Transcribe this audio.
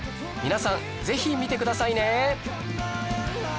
皆さんぜひ見てくださいね！